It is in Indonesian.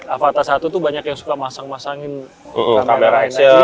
avata satu tuh banyak yang suka masang masangin